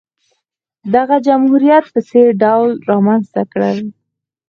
دغه جمهوریت په ځیرکانه ډول رامنځته کړل.